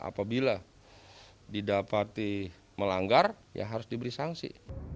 apabila didapati melanggar ya harus diberi sanksi